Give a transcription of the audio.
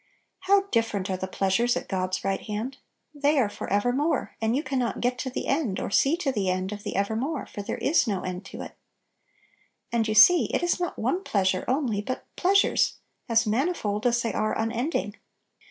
How different are the pleasures at God's right hand! They are for ever more, and you can not get to the end or see to the end of "evermore," for there is no end to it And you see it is not one pleasure only, but "pleasures" as manifold as they are unending.